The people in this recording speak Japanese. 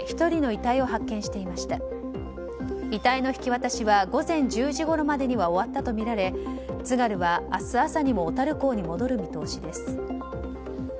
遺体の引き渡しは午前１０時ごろまでには終わったとみられ「つがる」は明日朝にも小樽港に戻る見通しです。